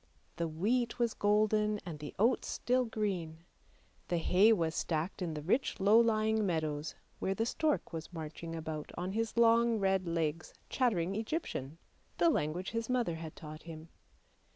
The wheat was golden and the oats still green; the hay was stacked in the rich low lying meadows, where the stork was marching about on his long red legs, chattering Egyptian, the language his mother had taught him.